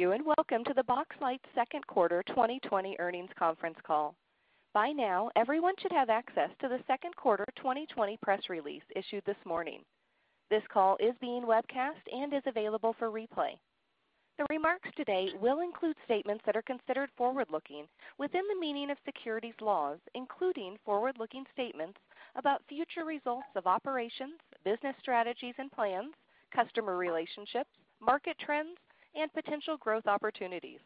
Thank you. Welcome to the Boxlight second quarter 2020 earnings conference call. By now, everyone should have access to the second quarter 2020 press release issued this morning. This call is being webcast and is available for replay. The remarks today will include statements that are considered forward-looking within the meaning of securities laws, including forward-looking statements about future results of operations, business strategies and plans, customer relationships, market trends, and potential growth opportunities.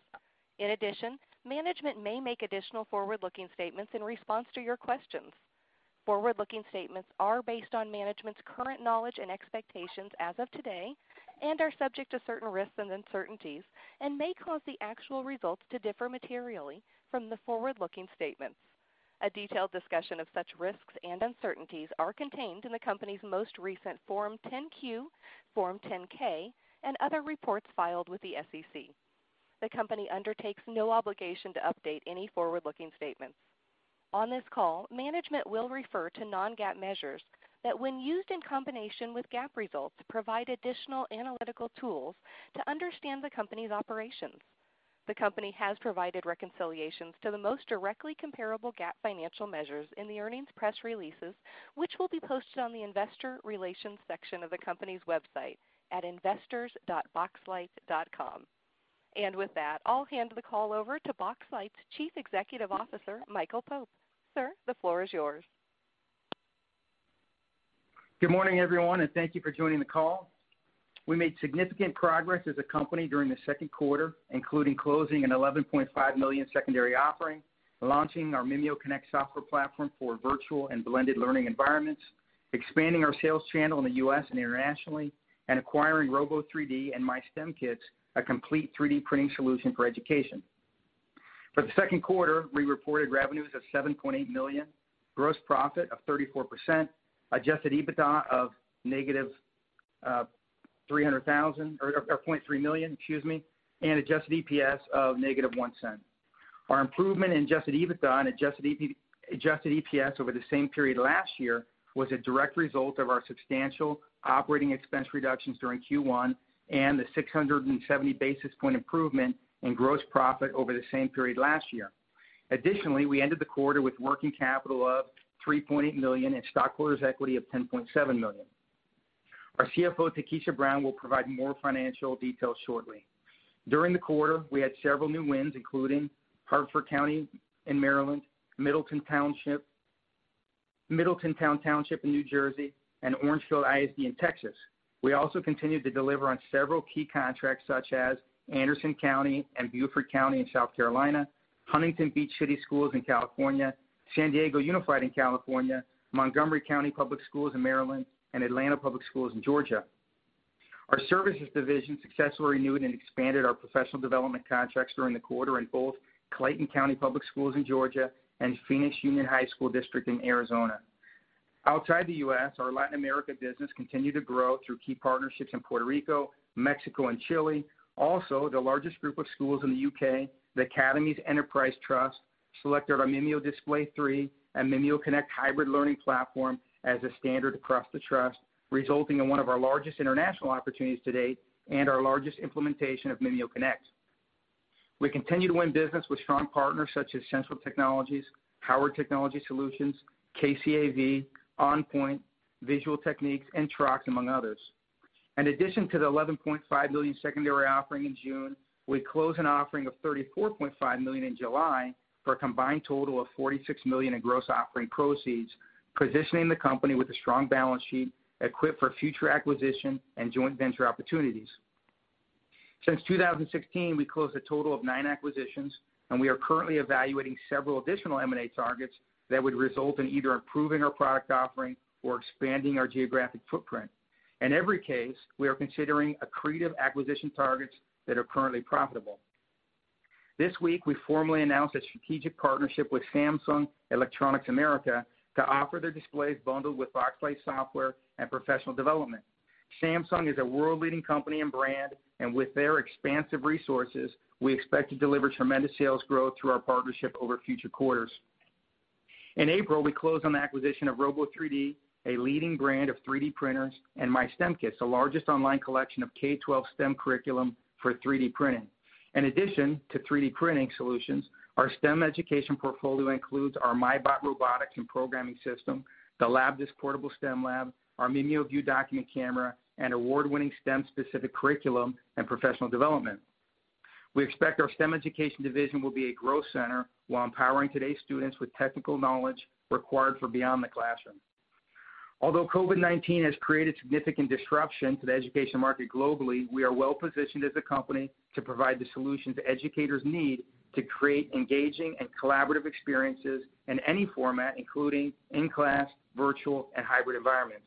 In addition, management may make additional forward-looking statements in response to your questions. Forward-looking statements are based on management's current knowledge and expectations as of today and are subject to certain risks and uncertainties and may cause the actual results to differ materially from the forward-looking statements. A detailed discussion of such risks and uncertainties are contained in the company's most recent Form 10-Q, Form 10-K, and other reports filed with the SEC. The company undertakes no obligation to update any forward-looking statements. On this call, management will refer to non-GAAP measures that, when used in combination with GAAP results, provide additional analytical tools to understand the company's operations. The company has provided reconciliations to the most directly comparable GAAP financial measures in the earnings press releases, which will be posted on the investor relations section of the company's website at investors.boxlight.com. With that, I'll hand the call over to Boxlight's Chief Executive Officer, Michael Pope. Sir, the floor is yours. Good morning, everyone. Thank you for joining the call. We made significant progress as a company during the second quarter, including closing an $11.5 million secondary offering, launching our MimioConnect software platform for virtual and blended learning environments, expanding our sales channel in the U.S. and internationally, and acquiring Robo 3D and MyStemKits, a complete 3D printing solution for education. For the second quarter, we reported revenues of $7.8 million, gross profit of 34%, adjusted EBITDA of $-300,000 or $0.3 million, excuse me, and adjusted EPS of $-0.01. Our improvement in adjusted EBITDA and adjusted EPS over the same period last year was a direct result of our substantial operating expense reductions during Q1 and the 670 basis point improvement in gross profit over the same period last year. Additionally, we ended the quarter with working capital of $3.8 million and stockholders' equity of $10.7 million. Our CFO, Takesha Brown, will provide more financial details shortly. During the quarter, we had several new wins, including Harford County in Maryland, Middletown Township in New Jersey, and Orangefield ISD in Texas. We also continued to deliver on several key contracts such as Anderson County and Beaufort County in South Carolina, Huntington Beach City Schools in California, San Diego Unified in California, Montgomery County Public Schools in Maryland, and Atlanta Public Schools in Georgia. Our services division successfully renewed and expanded our professional development contracts during the quarter in both Clayton County Public Schools in Georgia and Phoenix Union High School District in Arizona. Outside the U.S., our Latin America business continued to grow through key partnerships in Puerto Rico, Mexico, and Chile. Also, the largest group of schools in the U.K., the Academies Enterprise Trust, selected our MimioDisplay 3 and MimioConnect hybrid learning platform as a standard across the trust, resulting in one of our largest international opportunities to date and our largest implementation of MimioConnect. We continue to win business with strong partners such as Senso Technologies, Howard Technology Solutions, KCAV, OnPoint, Visual Techniques, and Trox, among others. In addition to the $11.5 million secondary offering in June, we closed an offering of $34.5 million in July for a combined total of $46 million in gross offering proceeds, positioning the company with a strong balance sheet equipped for future acquisition and joint venture opportunities. Since 2016, we closed a total of nine acquisitions, and we are currently evaluating several additional M&A targets that would result in either improving our product offering or expanding our geographic footprint. In every case, we are considering accretive acquisition targets that are currently profitable. This week, we formally announced a strategic partnership with Samsung Electronics America to offer their displays bundled with Boxlight's software and professional development. Samsung is a world-leading company and brand, and with their expansive resources, we expect to deliver tremendous sales growth through our partnership over future quarters. In April, we closed on the acquisition of Robo 3D, a leading brand of 3D printers, and MyStemKits, the largest online collection of K-12 STEM curriculum for 3D printing. In addition to 3D printing solutions, our STEM education portfolio includes our MyBot robotics and programming system, the Labdisc portable STEM lab, our MimioView document camera, and award-winning STEM-specific curriculum and professional development. We expect our STEM education division will be a growth center while empowering today's students with technical knowledge required for beyond the classroom. Although COVID-19 has created significant disruption to the education market globally, we are well-positioned as a company to provide the solutions educators need to create engaging and collaborative experiences in any format, including in-class, virtual, and hybrid environments.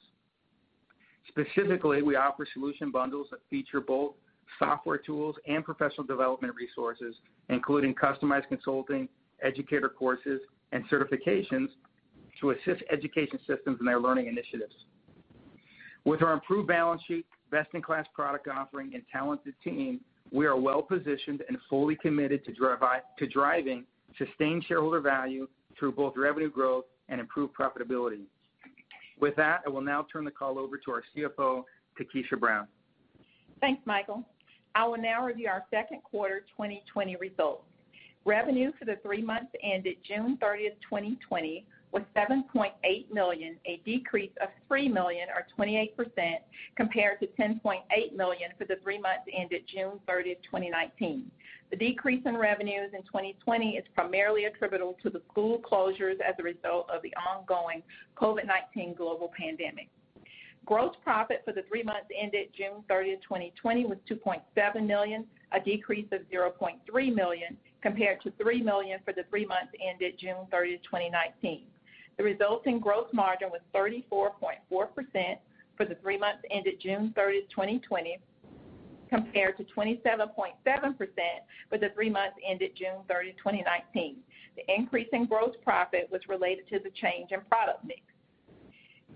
Specifically, we offer solution bundles that feature both software tools and professional development resources, including customized consulting, educator courses, and certifications to assist education systems in their learning initiatives. With our improved balance sheet, best-in-class product offering, and talented team, we are well-positioned and fully committed to driving sustained shareholder value through both revenue growth and improved profitability. With that, I will now turn the call over to our CFO, Takesha Brown. Thanks, Michael. I will now review our second quarter 2020 results. Revenue for the three months ended June 30, 2020 was $7.8 million, a decrease of $3 million or 28%, compared to $10.8 million for the three months ended June 30, 2019. The decrease in revenues in 2020 is primarily attributable to the school closures as a result of the ongoing COVID-19 global pandemic. Gross profit for the three months ended June 30, 2020 was $2.7 million, a decrease of $0.3 million compared to $3 million for the three months ended June 30, 2019. The resulting gross margin was 34.4% for the three months ended June 30, 2020, compared to 27.7% for the three months ended June 30, 2019. The increase in gross profit was related to the change in product mix.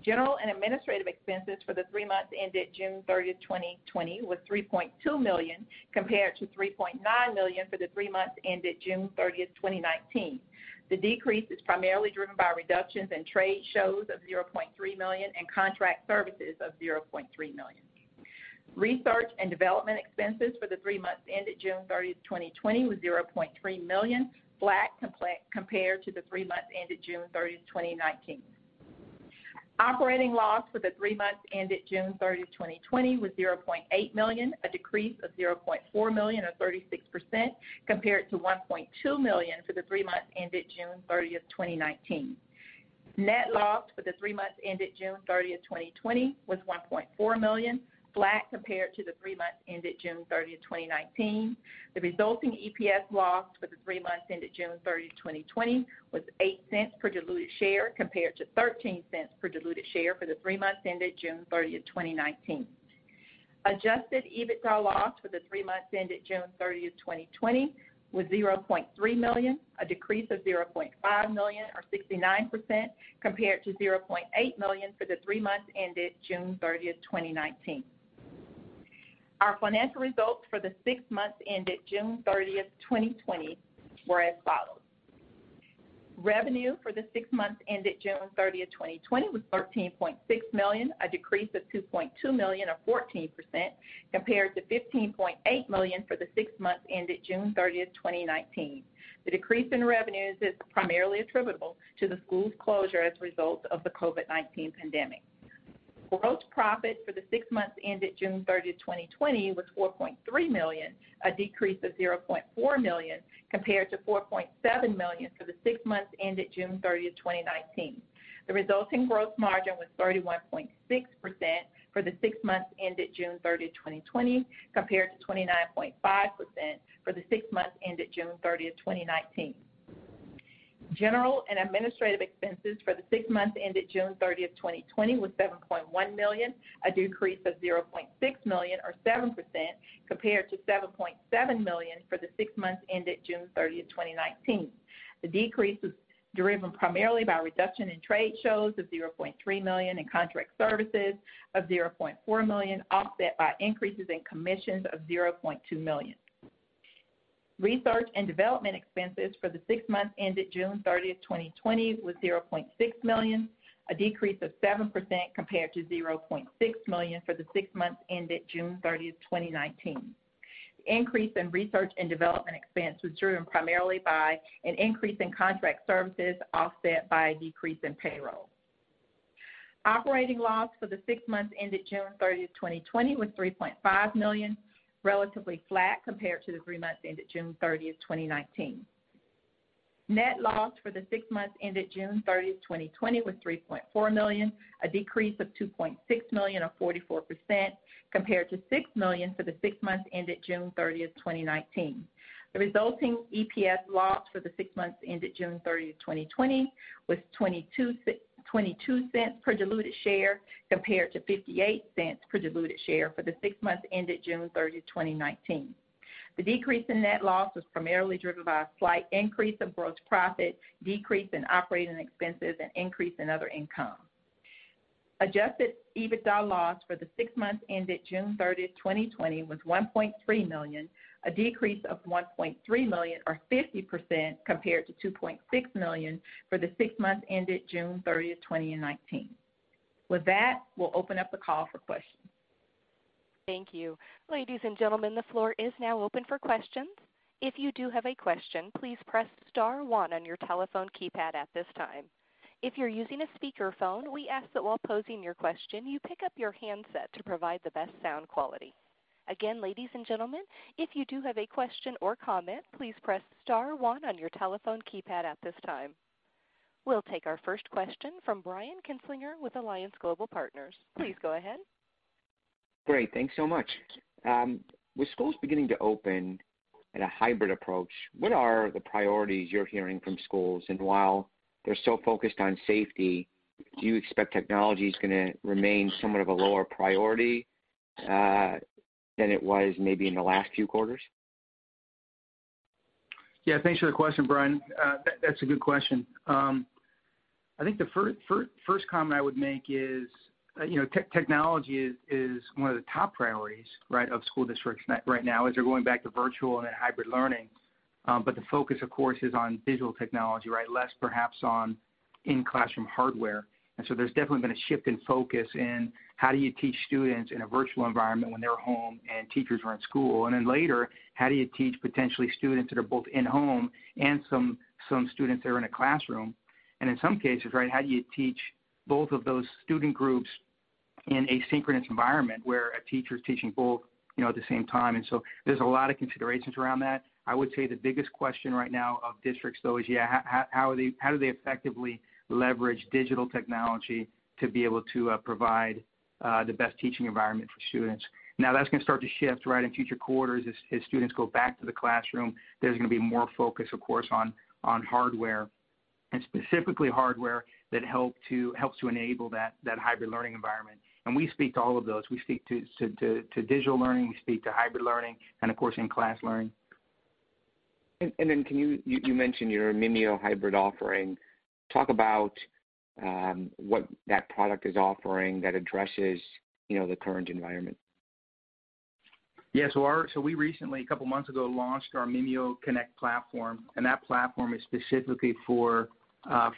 General and administrative expenses for the three months ended June 30th, 2020 was $3.2 million, compared to $3.9 million for the three months ended June 30th, 2019. The decrease is primarily driven by reductions in trade shows of $0.3 million and contract services of $0.3 million. Research and development expenses for the three months ended June 30th, 2020 was $0.3 million, flat compared to the three months ended June 30th, 2019. Operating loss for the three months ended June 30th, 2020 was $0.8 million, a decrease of $0.4 million or 36%, compared to $1.2 million for the three months ended June 30th, 2019. Net loss for the three months ended June 30th, 2020 was $1.4 million, flat compared to the three months ended June 30th, 2019. The resulting EPS loss for the three months ended June 30, 2020 was $0.08 per diluted share, compared to $0.13 per diluted share for the three months ended June 30, 2019. Adjusted EBITDA loss for the three months ended June 30, 2020 was $0.3 million, a decrease of $0.5 million or 69%, compared to $0.8 million for the three months ended June 30th, 2019. Our financial results for the six months ended June 30th, 2020 were as follows. Revenue for the six months ended June 30th, 2020 was $13.6 million, a decrease of $2.2 million or 14%, compared to $15.8 million for the six months ended June 30th, 2019. The decrease in revenues is primarily attributable to the schools' closure as a result of the COVID-19 pandemic. Gross profit for the six months ended June 30th, 2020 was $4.3 million, a decrease of $0.4 million compared to $4.7 million for the six months ended June 30th, 2019. The resulting gross margin was 31.6% for the six months ended June 30th, 2020, compared to 29.5% for the six months ended June 30th, 2019. General and administrative expenses for the six months ended June 30th, 2020 was $7.1 million, a decrease of $0.6 million or 7%, compared to $7.7 million for the six months ended June 30th, 2019. The decrease was driven primarily by reduction in trade shows of $0.3 million and contract services of $0.4 million, offset by increases in commissions of $0.2 million. Research and development expenses for the six months ended June 30th, 2020 was $0.6 million, a decrease of 7% compared to $0.6 million for the six months ended June 30th, 2019. The increase in research and development expense was driven primarily by an increase in contract services offset by a decrease in payroll. Operating loss for the six months ended June 30th, 2020 was $3.5 million, relatively flat compared to the three months ended June 30th, 2019. Net loss for the six months ended June 30th, 2020 was $3.4 million, a decrease of $2.6 million or 44%, compared to $6 million for the six months ended June 30th, 2019. The resulting EPS loss for the six months ended June 30th, 2020 was $0.22 per diluted share, compared to $0.58 per diluted share for the six months ended June 30th, 2019. The decrease in net loss was primarily driven by a slight increase of gross profit, decrease in operating expenses, and increase in other income. Adjusted EBITDA loss for the six months ended June 30th, 2020 was $1.3 million, a decrease of $1.3 million or 50%, compared to $2.6 million for the six months ended June 30th, 2019. With that, we'll open up the call for questions. Thank you. Ladies and gentlemen, the floor is now open for questions. If you do have a question please press star one on your telephone keypad at this time. If you are using speaker phone we ask while posting your question and pick up your handset to provide the best sound quality. Again ladies and gentlemen if you do have a question or comment please press star one on your telephone keypad at this time. We'll take our first question from Brian Kinstlinger with Alliance Global Partners. Please go ahead. Great. Thanks so much. With schools beginning to open in a hybrid approach, what are the priorities you're hearing from schools? While they're so focused on safety, do you expect technology's going to remain somewhat of a lower priority than it was maybe in the last few quarters? Yeah. Thanks for the question, Brian. That's a good question. I think the first comment I would make is technology is one of the top priorities of school districts right now as they're going back to virtual and hybrid learning The focus, of course, is on digital technology, right? Less perhaps on in-classroom hardware. There's definitely been a shift in focus in how do you teach students in a virtual environment when they're home and teachers are in school, and then later, how do you teach potentially students that are both in home and some students that are in a classroom. In some cases, right, how do you teach both of those student groups in a synchronous environment where a teacher's teaching both at the same time? There's a lot of considerations around that. I would say the biggest question right now of districts, though, is yeah, how do they effectively leverage digital technology to be able to provide the best teaching environment for students? That's going to start to shift in future quarters as students go back to the classroom. There's going to be more focus, of course, on hardware. Specifically hardware that helps to enable that hybrid learning environment. We speak to all of those. We speak to digital learning, we speak to hybrid learning, and of course, in-class learning. You mentioned your Mimio hybrid offering. Talk about what that product is offering that addresses the current environment? Yeah. We recently, a couple of months ago, launched our MimioConnect platform. That platform is specifically for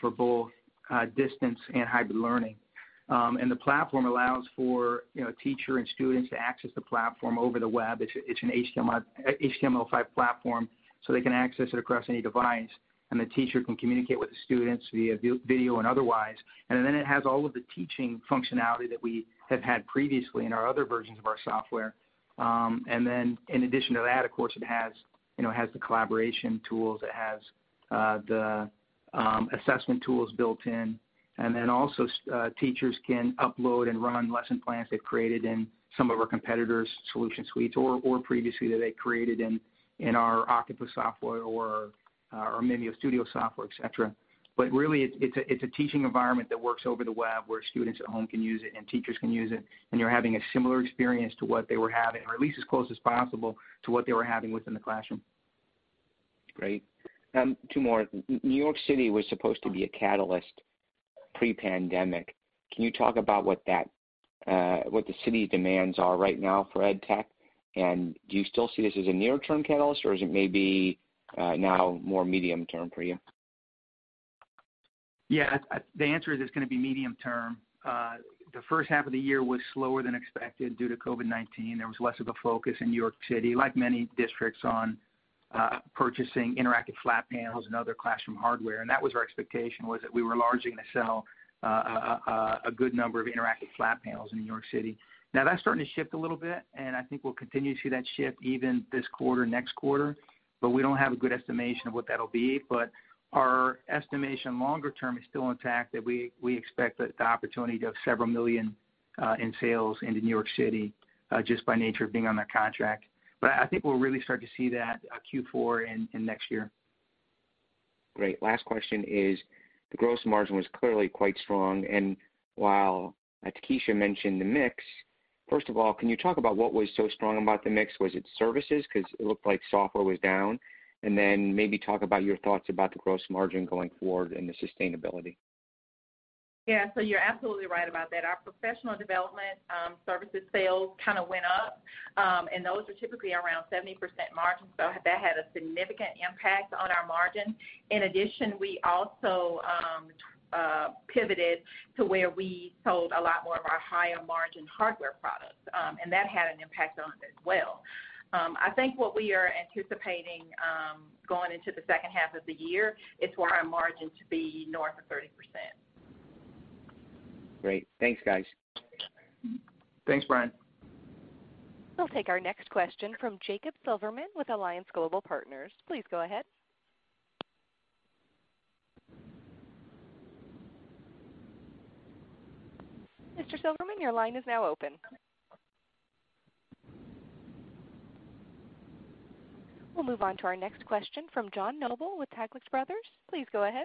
both distance and hybrid learning. The platform allows for teacher and students to access the platform over the web. It's an HTML5 platform, so they can access it across any device. The teacher can communicate with the students via video and otherwise. It has all of the teaching functionality that we have had previously in our other versions of our software. In addition to that, of course, it has the collaboration tools. It has the assessment tools built in. Also, teachers can upload and run lesson plans they've created in some of our competitors' solution suites or previously that they created in our OKTOPUS software or our MimioStudio software, etc. Really, it's a teaching environment that works over the web where students at home can use it and teachers can use it, and you're having a similar experience to what they were having, or at least as close as possible to what they were having within the classroom. Great. Two more. New York City was supposed to be a catalyst pre-pandemic. Can you talk about what the city demands are right now for ed tech? Do you still see this as a near-term catalyst, or is it maybe now more medium-term for you? Yeah. The answer is it's going to be medium term. The first half of the year was slower than expected due to COVID-19. There was less of a focus in New York City, like many districts, on purchasing interactive flat panels and other classroom hardware. That was our expectation, was that we were largely going to sell a good number of interactive flat panels in New York City. Now, that's starting to shift a little bit, and I think we'll continue to see that shift even this quarter, next quarter. We don't have a good estimation of what that'll be. Our estimation longer term is still intact, that we expect the opportunity of several million in sales into New York City, just by nature of being on that contract. I think we'll really start to see that Q4 and next year. Great. Last question is, the gross margin was clearly quite strong. While Takesha mentioned the mix, first of all, can you talk about what was so strong about the mix? Was it services? Because it looked like software was down. Maybe talk about your thoughts about the gross margin going forward and the sustainability. Yeah. You're absolutely right about that. Our professional development services sales kind of went up. Those are typically around 70% margin. That had a significant impact on our margin. In addition, we also pivoted to where we sold a lot more of our higher margin hardware products. That had an impact on it as well. I think what we are anticipating going into the second half of the year is for our margin to be north of 30%. Great. Thanks, guys. Thanks, Brian. We'll take our next question from Jacob Silverman with Alliance Global Partners. Please go ahead. Mr. Silverman, your line is now open. We'll move on to our next question from John Nobile with Taglich Brothers. Please go ahead.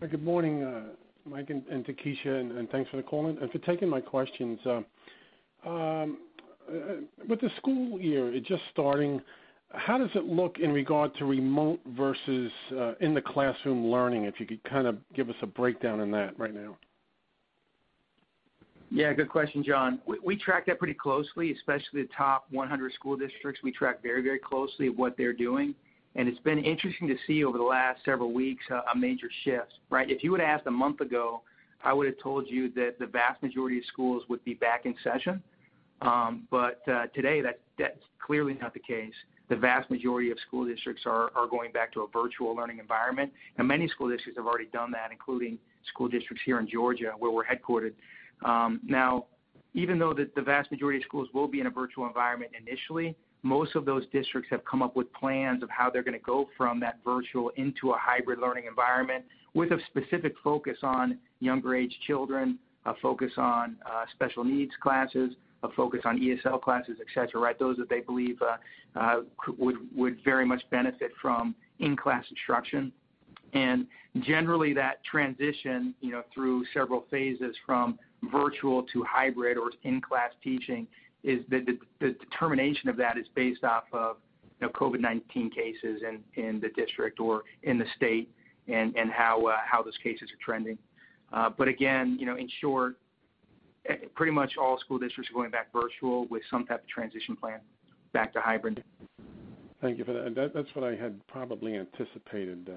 Good morning Mike and Takesha, thanks for the call and for taking my questions. With the school year, it just starting, how does it look in regard to remote versus in the classroom learning? If you could kind of give us a breakdown on that right now. Good question, John. We track that pretty closely, especially the top 100 school districts. We track very closely what they're doing. It's been interesting to see over the last several weeks a major shift, right? If you would've asked a month ago, I would've told you that the vast majority of schools would be back in session. Today that's clearly not the case. The vast majority of school districts are going back to a virtual learning environment. Many school districts have already done that, including school districts here in Georgia, where we're headquartered. Even though the vast majority of schools will be in a virtual environment initially, most of those districts have come up with plans of how they're going to go from that virtual into a hybrid learning environment with a specific focus on younger age children, a focus on special needs classes, a focus on ESL classes, etc. Those that they believe would very much benefit from in-class instruction. Generally, that transition through several phases from virtual to hybrid or in-class teaching, the determination of that is based off of COVID-19 cases in the district or in the state and how those cases are trending. Again, in short, pretty much all school districts are going back virtual with some type of transition plan back to hybrid. Thank you for that. That's what I had probably anticipated.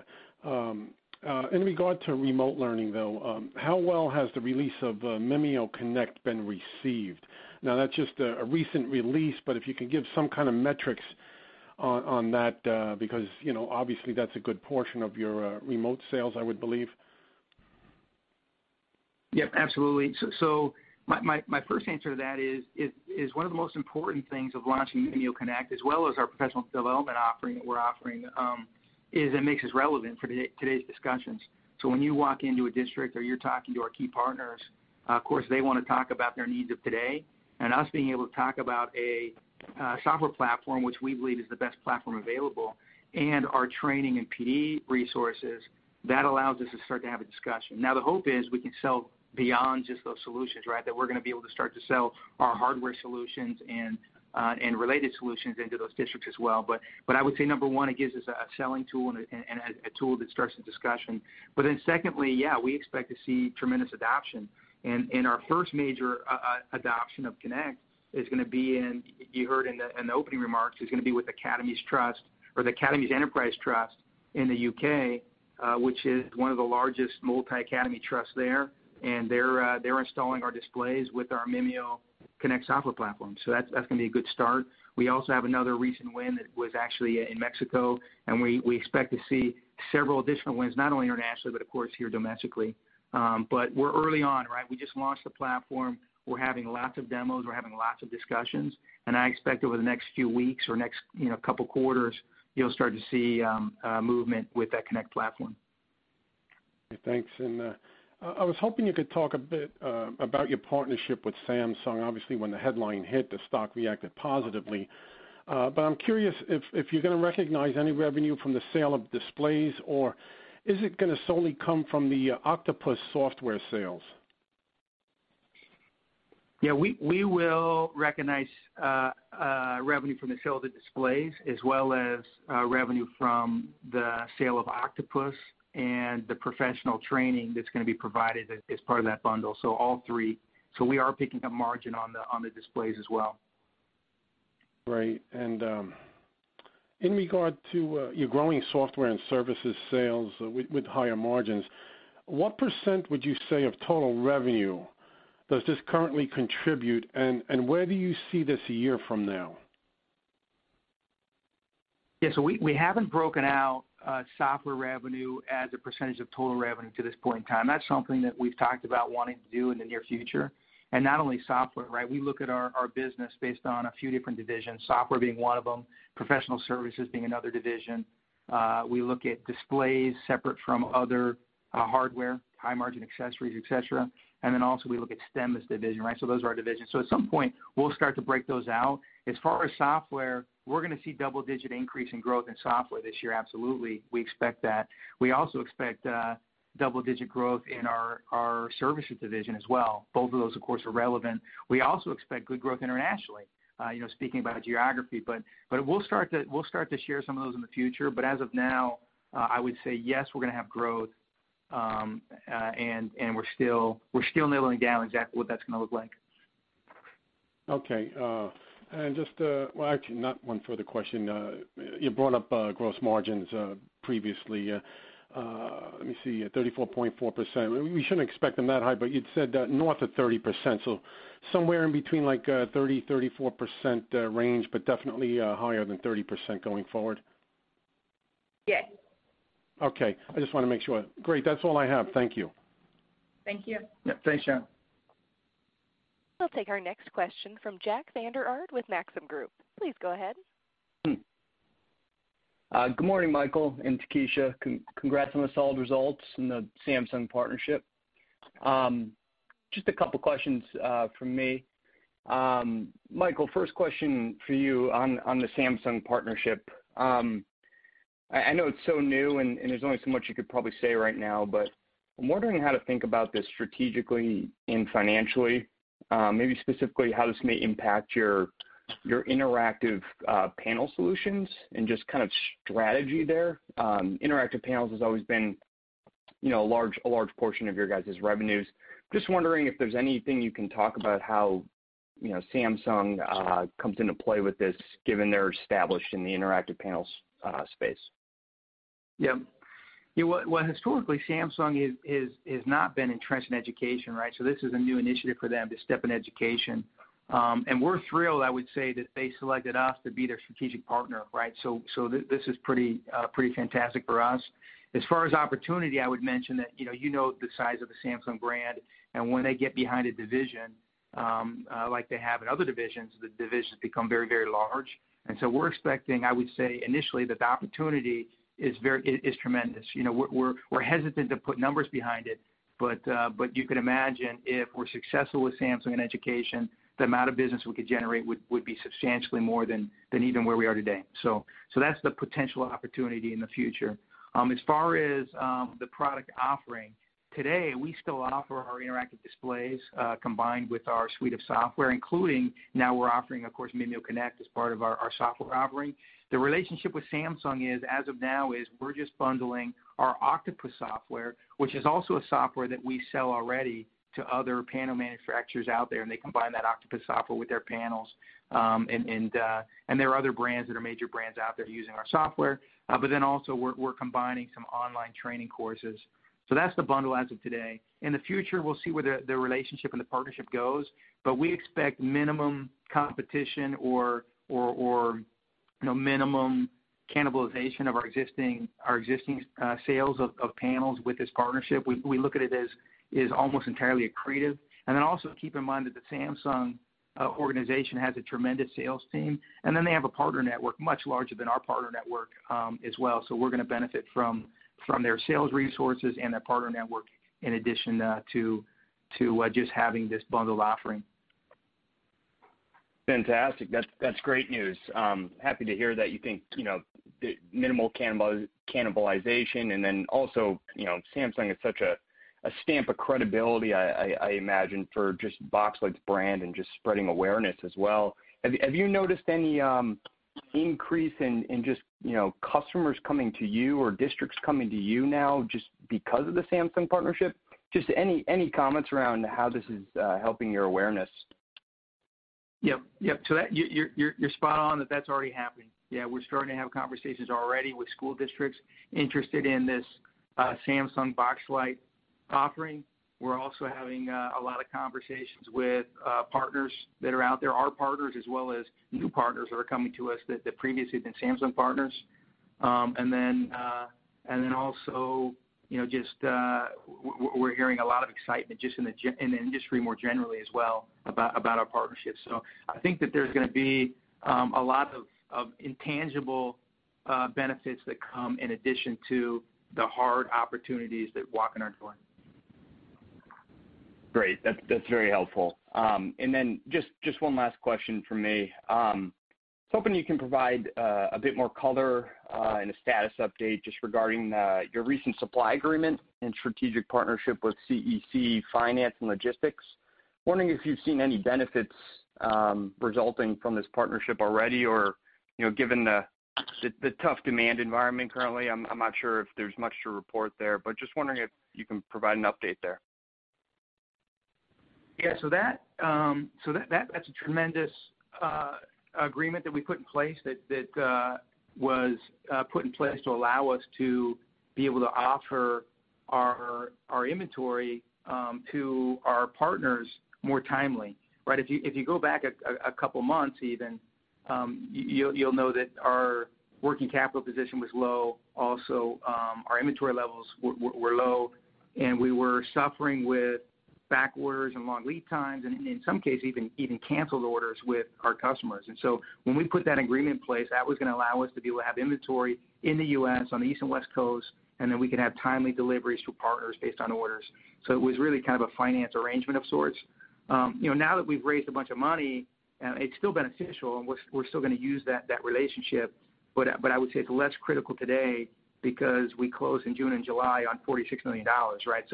In regard to remote learning, though, how well has the release of MimioConnect been received? Now, that's just a recent release, but if you could give some kind of metrics on that, because obviously that's a good portion of your remote sales, I would believe. Yep, absolutely. My first answer to that is one of the most important things of launching MimioConnect, as well as our professional development offering that we're offering, is it makes us relevant for today's discussions so when you walk into a district or you're talking to our key partners, of course they want to talk about their needs of today and us being able to talk about a software platform, which we believe is the best platform available, and our training and PD resources, that allows us to start to have a discussion. The hope is we can sell beyond just those solutions, right? We're going to be able to start to sell our hardware solutions and related solutions into those districts as well. I would say, number one, it gives us a selling tool and a tool that starts the discussion. Secondly, yeah, we expect to see tremendous adoption. Our first major adoption of Connect is going to be in, you heard in the opening remarks, is going to be with Academies Trust or the Academies Enterprise Trust in the U.K., which is one of the largest multi-academy trusts there. They're installing our displays with our MimioConnect software platform. That's going to be a good start. We also have another recent win that was actually in Mexico, and we expect to see several additional wins, not only internationally, but of course here domestically. We're early on, right? We just launched the platform. We're having lots of demos. We're having lots of discussions, and I expect over the next few weeks or next couple quarters, you'll start to see movement with that Connect platform. Thanks. I was hoping you could talk a bit about your partnership with Samsung. Obviously, when the headline hit, the stock reacted positively. I'm curious if you're going to recognize any revenue from the sale of displays, or is it going to solely come from the OKTOPUS software sales? Yeah, we will recognize revenue from the sale of the displays as well as revenue from the sale of OKTOPUS and the professional training that's going to be provided as part of that bundle. All three. We are picking up margin on the displays as well. Right. In regard to your growing software and services sales with higher margins, what percent would you say of total revenue does this currently contribute, and where do you see this a year from now? We haven't broken out software revenue as a percentage of total revenue to this point in time. That's something that we've talked about wanting to do in the near future. Not only software, right? We look at our business based on a few different divisions, software being one of them, professional services being another division. We look at displays separate from other hardware, high margin accessories, etc. Then also we look at STEM as a division, right? Those are our divisions. At some point, we'll start to break those out. As far as software, we're going to see double-digit increase in growth in software this year, absolutely. We expect that. We also expect double-digit growth in our services division as well. Both of those, of course, are relevant. We also expect good growth internationally, speaking about geography. We'll start to share some of those in the future. As of now, I would say, yes, we're going to have growth. We're still nailing down exactly what that's going to look like. Okay. Just, well, actually not one further question. You brought up gross margins previously. Let me see, 34.4%. We shouldn't expect them that high, but you'd said north of 30%, so somewhere in between 30%-34% range, but definitely higher than 30% going forward. Yes. Okay. I just want to make sure. Great. That's all I have. Thank you. Thank you. Yeah. Thanks, John. We'll take our next question from Jack Aarde with Maxim Group. Please go ahead. Good morning, Michael and Takesha. Congrats on the solid results and the Samsung partnership. Just a couple questions from me. Michael, first question for you on the Samsung partnership. I know it's so new, and there's only so much you could probably say right now, but I'm wondering how to think about this strategically and financially. Maybe specifically how this may impact your interactive panel solutions and just kind of strategy there. Interactive panels has always been a large portion of your guys' revenues. Just wondering if there's anything you can talk about how Samsung comes into play with this, given they're established in the interactive panels space. Yep. Historically Samsung has not been entrenched in education, right? This is a new initiative for them to step in education. We're thrilled, I would say, that they selected us to be their strategic partner, right? This is pretty fantastic for us. As far as opportunity, I would mention that you know the size of the Samsung brand, and when they get behind a division, like they have in other divisions, the divisions become very large. We're expecting, I would say initially, that the opportunity is tremendous. We're hesitant to put numbers behind it. You could imagine if we're successful with Samsung in education, the amount of business we could generate would be substantially more than even where we are today. That's the potential opportunity in the future. As far as the product offering, today, we still offer our interactive displays, combined with our suite of software, including now we're offering, of course, MimioConnect as part of our software offering. The relationship with Samsung is, as of now, we're just bundling our OKTOPUS software, which is also a software that we sell already to other panel manufacturers out there. They combine that OKTOPUS software with their panels. There are other brands that are major brands out there using our software. Also, we're combining some online training courses. That's the bundle as of today. In the future, we'll see where the relationship and the partnership goes, but we expect minimum competition or minimum cannibalization of our existing sales of panels with this partnership. We look at it as almost entirely accretive. Also keep in mind that the Samsung organization has a tremendous sales team, and then they have a partner network much larger than our partner network, as well. We're going to benefit from their sales resources and their partner network in addition to just having this bundled offering. Fantastic. That's great news. Happy to hear that you think, the minimal cannibalization and then also, Samsung is such a stamp of credibility, I imagine, for just Boxlight's brand and just spreading awareness as well. Have you noticed any increase in just customers coming to you or districts coming to you now just because of the Samsung partnership? Just any comments around how this is helping your awareness? Yep. That you're spot on that that's already happening. Yeah. We're starting to have conversations already with school districts interested in this Samsung Boxlight offering. We're also having a lot of conversations with partners that are out there, our partners as well as new partners that are coming to us that previously have been Samsung partners. Then also, we're hearing a lot of excitement just in the industry more generally as well about our partnership. I think that there's going to be a lot of intangible benefits that come in addition to the hard opportunities that walk in our door. Great. That's very helpful. Then just one last question from me. I'm hoping you can provide a bit more color, and a status update just regarding your recent supply agreement and strategic partnership with CEC Finance and Logistics. Wondering if you've seen any benefits resulting from this partnership already or, given the tough demand environment currently, I'm not sure if there's much to report there, but just wondering if you can provide an update there. Yeah. That's a tremendous agreement that we put in place that was put in place to allow us to be able to offer our inventory to our partners more timely. If you go back a couple of months even, you'll know that our working capital position was low. Also, our inventory levels were low, and we were suffering with back orders and long lead times, and in some cases, even canceled orders with our customers. When we put that agreement in place, that was going to allow us to be able to have inventory in the U.S. on the East and West Coast, and then we could have timely deliveries to partners based on orders. It was really kind of a finance arrangement of sorts. Now that we've raised a bunch of money, it's still beneficial, and we're still going to use that relationship. I would say it's less critical today because we closed in June and July on $46 million.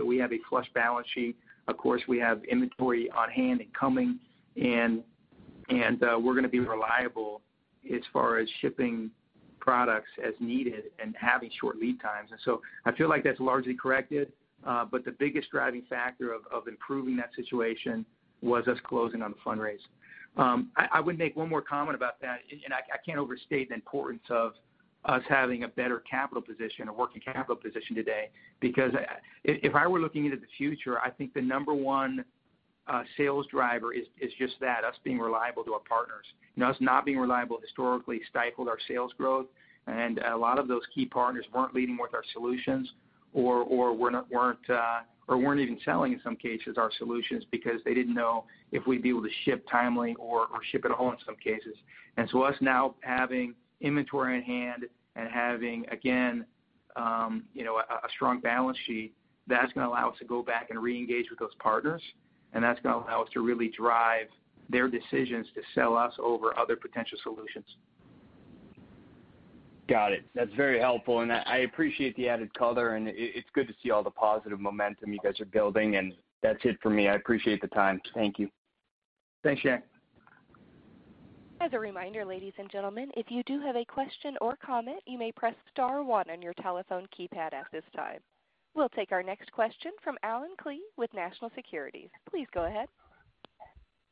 We have a flush balance sheet. Of course, we have inventory on hand and coming, and we're going to be reliable as far as shipping products as needed and having short lead times. I feel like that's largely corrected. The biggest driving factor of improving that situation was us closing on the fundraise. I would make one more comment about that. I can't overstate the importance of us having a better capital position, a working capital position today, because if I were looking into the future, I think the number one sales driver is just that, us being reliable to our partners. Us not being reliable historically stifled our sales growth, and a lot of those key partners weren't leading with our solutions or weren't even selling, in some cases, our solutions because they didn't know if we'd be able to ship timely or ship at all in some cases. Us now having inventory in hand and having, again, a strong balance sheet, that's going to allow us to go back and re-engage with those partners, and that's going to allow us to really drive their decisions to sell us over other potential solutions. Got it. That's very helpful, and I appreciate the added color, and it's good to see all the positive momentum you guys are building, and that's it for me. I appreciate the time. Thank you. Thanks, Jack. As a reminder, ladies and gentlemen, if you do have a question or comment, you may press star one on your telephone keypad at this time. We'll take our next question from Allen Klee with National Securities. Please go ahead.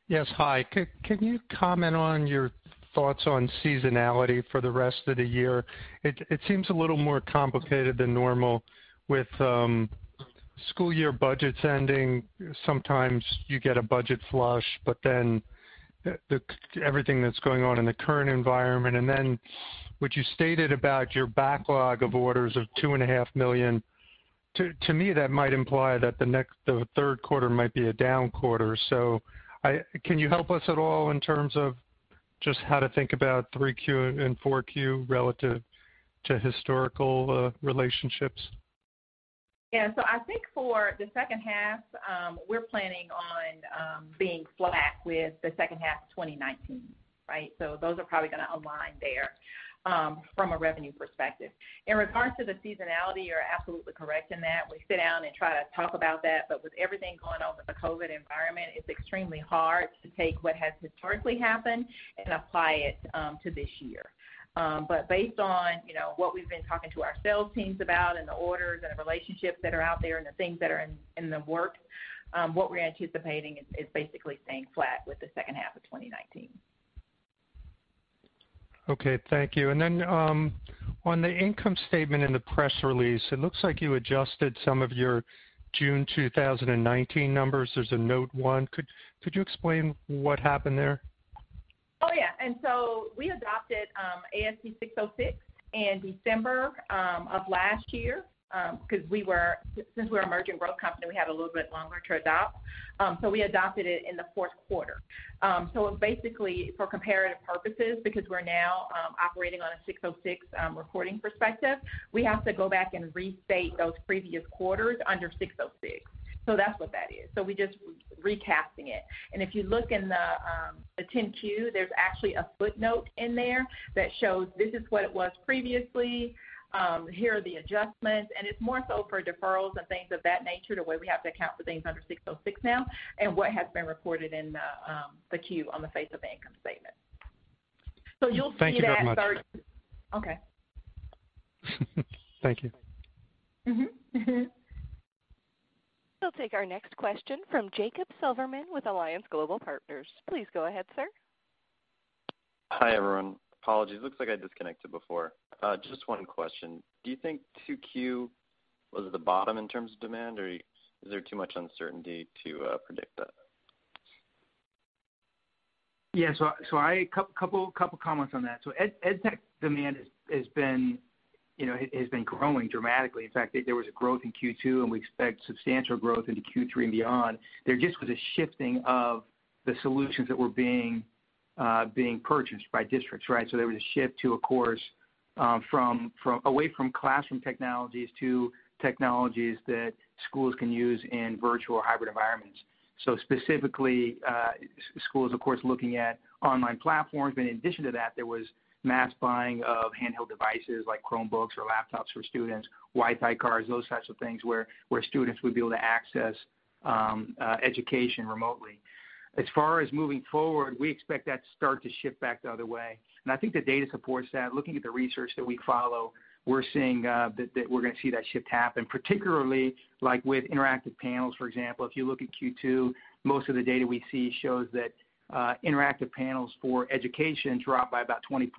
Yes. Hi. Can you comment on your thoughts on seasonality for the rest of the year? It seems a little more complicated than normal with school year budgets ending. Sometimes you get a budget flush, but then everything that's going on in the current environment, and then what you stated about your backlog of orders of $2.5 million, to me, that might imply that the third quarter might be a down quarter. Can you help us at all in terms of Just how to think about 3Q and 4Q relative to historical relationships. I think for the second half, we're planning on being flat with the second half of 2019, right? Those are probably going to align there from a revenue perspective. In regards to the seasonality, you're absolutely correct in that. We sit down and try to talk about that, but with everything going on with the COVID-19 environment, it's extremely hard to take what has historically happened and apply it to this year. Based on what we've been talking to our sales teams about and the orders and the relationships that are out there and the things that are in the works, what we're anticipating is basically staying flat with the second half of 2019. Okay. Thank you. Then, on the income statement in the press release, it looks like you adjusted some of your June 2019 numbers. There's a note one. Could you explain what happened there? Oh, yeah. We adopted ASC 606 in December of last year, because since we're an emerging growth company, we had a little bit longer to adopt. We adopted it in the fourth quarter. Basically, for comparative purposes, because we're now operating on a 606 reporting perspective, we have to go back and restate those previous quarters under 606. That's what that is. We're just recasting it. If you look in the 10-Q, there's actually a footnote in there that shows this is what it was previously, here are the adjustments, and it's more so for deferrals and things of that nature, the way we have to account for things under 606 now, and what has been reported in the quarter on the face of the income statement. You'll see that start- Thank you very much. Okay. Thank you. We'll take our next question from Jacob Silverman with Alliance Global Partners. Please go ahead, sir. Hi, everyone. Apologies. Looks like I disconnected before. Just one question. Do you think 2Q was the bottom in terms of demand, or is there too much uncertainty to predict that? Yeah. A couple of comments on that. Ed tech demand has been growing dramatically. In fact, there was a growth in Q2, and we expect substantial growth into Q3 and beyond. There just was a shifting of the solutions that were being purchased by districts, right? There was a shift away from classroom technologies to technologies that schools can use in virtual or hybrid environments. Specifically, schools, of course, looking at online platforms, but in addition to that, there was mass buying of handheld devices like Chromebooks or laptops for students, Wi-Fi cards, those types of things, where students would be able to access education remotely. As far as moving forward, we expect that to start to shift back the other way, and I think the data supports that. Looking at the research that we follow, we're seeing that we're going to see that shift happen, particularly with interactive panels, for example. If you look at Q2, most of the data we see shows that interactive panels for education dropped by about 20%.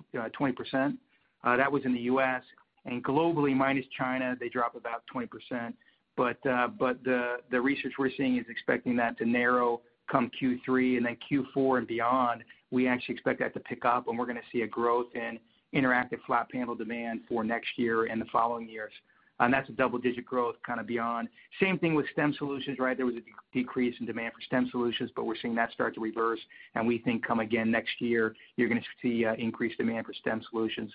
That was in the U.S., and globally, minus China, they dropped about 20%. The research we're seeing is expecting that to narrow come Q3, and then Q4 and beyond, we actually expect that to pick up, and we're going to see a growth in interactive flat panel demand for next year and the following years. That's a double-digit growth beyond. Same thing with STEM solutions, right? There was a decrease in demand for STEM solutions, but we're seeing that start to reverse, and we think come again next year, you're going to see increased demand for STEM solutions.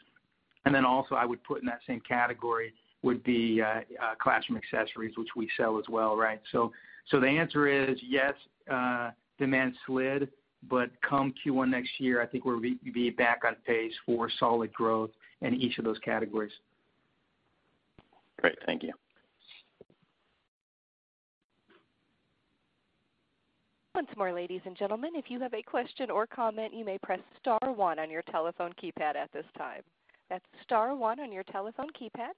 Also I would put in that same category would be classroom accessories, which we sell as well, right? The answer is yes, demand slid, but come Q1 next year, I think we'll be back on pace for solid growth in each of those categories. Great. Thank you. Once more, ladies and gentlemen, if you have a question or comment, you may press star one on your telephone keypad at this time. That's star one on your telephone keypad.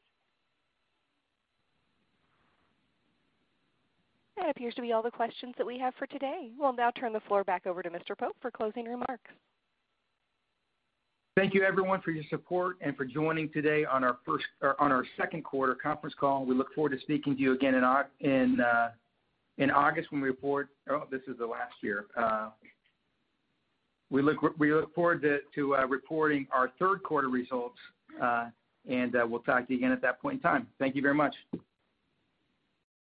That appears to be all the questions that we have for today. We'll now turn the floor back over to Mr. Pope for closing remarks. Thank you, everyone, for your support and for joining today on our second quarter conference call. We look forward to speaking to you again in August. Oh, this is the last year. We look forward to reporting our third quarter results, and we'll talk to you again at that point in time. Thank you very much.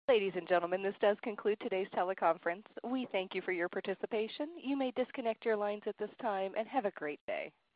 Ladies and gentlemen, this does conclude today's teleconference. We thank you for your participation. You may disconnect your lines at this time. Have a great day.